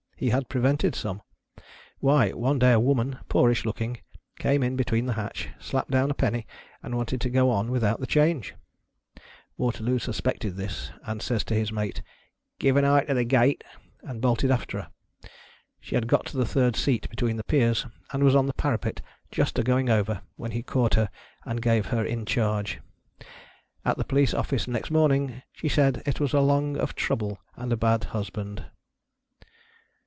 He iiad prevented some. Why, one day a woman, poorish looking, came in between the hatch, slapped down a penny, and wanted to go on without the change ! Waterloo suspected this, and says to his mate, " give an eye to the gate," and bolted after her. She had got to the third seat between the piers, and was on the parapet just a going over, when he caught her and gave her in charge. At the police office next morning, she said it was along of trouble and a bad husband.